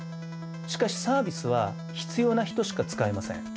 しかしサービスは必要な人しか使えません。